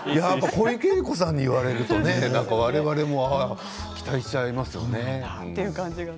小池栄子さんに言われると我々も期待してしまいますよね。